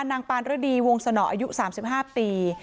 ปานฤดีวงสนออายุ๓๕ปี